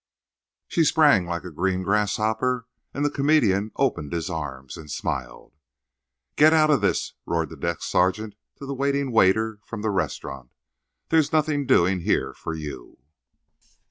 She sprang like a green grasshopper; and the comedian opened his arms, and—smiled. "Get out of this," roared the desk sergeant to the waiting waiter from the restaurant. "There's nothing doing here for you."